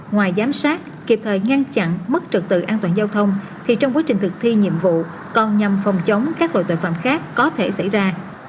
ngoài giám sát kịp thời ngăn chặn mất trật tự an toàn giao thông thì trong quá trình thực thi nhiệm vụ còn nhằm phòng chống các loại tội phạm khác có thể xảy ra